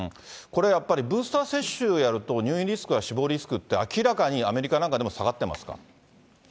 これやっぱり、ブースター接種をやると入院リスクや死亡リスクって、明らかにアメリカなんかでも下がってますか？